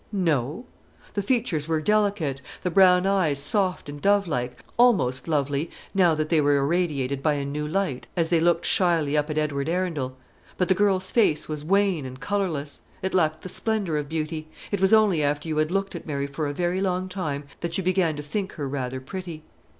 No! The features were delicate; the brown eyes soft and dovelike, almost lovely, now that they were irradiated by a new light, as they looked shyly up at Edward Arundel. But the girl's face was wan and colourless. It lacked the splendour of beauty. It was only after you had looked at Mary for a very long time that you began to think her rather pretty.